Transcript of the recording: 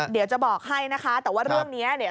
เดี๋ยวจะบอกให้นะคะแต่ว่าเรื่องนี้เนี่ย